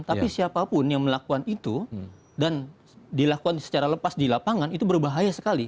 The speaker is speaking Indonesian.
tapi siapapun yang melakukan itu dan dilakukan secara lepas di lapangan itu berbahaya sekali